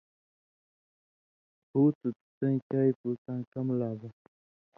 ”ہُو تُھو تُو تَیں چائ پُو تاں کمہۡ لا بہ“